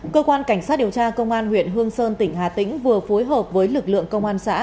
cơ quan cảnh sát điều tra công an huyện hương sơn tỉnh hà tĩnh vừa phối hợp với lực lượng công an xã